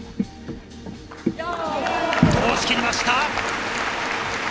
通しきりました。